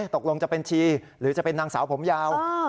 ตกลงจะเป็นชีหรือจะเป็นนางสาวผมยาว